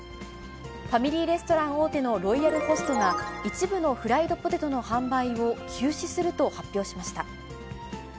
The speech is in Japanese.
ファミリーレストラン大手のロイヤルホストが、一部のフライドポテトの販売を休止すると発表しました。